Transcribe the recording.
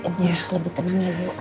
terus lebih tenang ya bu